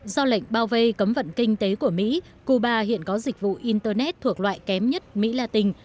do lệnh bao vây cấm vận kinh tế của mỹ cuba hiện có dịch vụ internet thuộc loại kém nhất mỹ latin